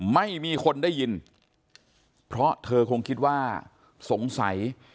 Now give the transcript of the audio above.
ไม่มีคนได้ยินเพราะเธอคงคิดว่าสงสัย